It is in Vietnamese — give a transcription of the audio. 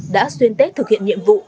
đã xuyên tết thực hiện nhiệm vụ